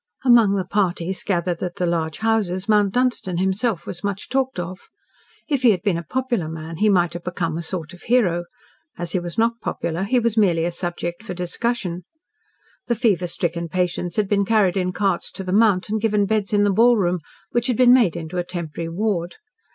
Among the parties gathered at the large houses Mount Dunstan himself was much talked of. If he had been a popular man, he might have become a sort of hero; as he was not popular, he was merely a subject for discussion. The fever stricken patients had been carried in carts to the Mount and given beds in the ballroom, which had been made into a temporary ward.